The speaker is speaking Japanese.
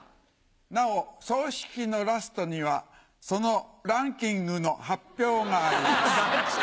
なお葬式のラストにはそのランキングの発表があります。